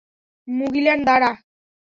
মুগিলান, দাঁড়া!